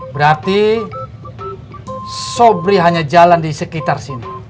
berarti sobri hanya jalan di sekitar sini